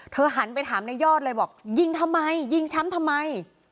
หันไปถามในยอดเลยบอกยิงทำไมยิงแชมป์ทำไม